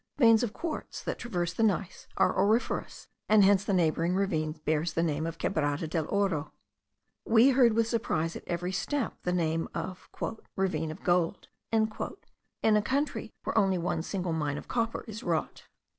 Veins of quartz, that traverse the gneiss, are auriferous; and hence the neighbouring ravine bears the name of Quebrada del Oro. We heard with surprise at every step the name of "ravine of gold," in a country where only one single mine of copper is wrought.